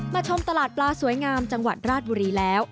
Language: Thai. ชมตลาดปลาสวยงามจังหวัดราชบุรีแล้ว